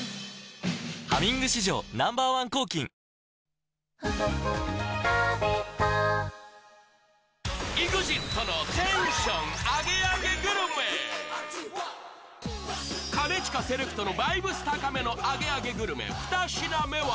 「ハミング」史上Ｎｏ．１抗菌兼近セレクトのバイブス高めのアゲアゲグルメ２品目は